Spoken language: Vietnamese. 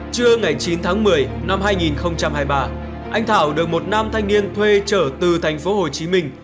trưa ngày chín tháng một mươi năm hai nghìn hai mươi ba anh thảo được một nam thanh niên thuê trở từ thành phố hồ chí minh